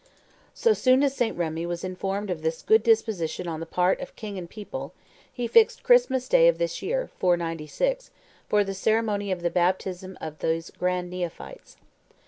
So soon as St. Remi was informed of this good disposition on the part of king and people, he fixed Christmas Day of this year, 496, for the ceremony of the baptism of these grand neophytes.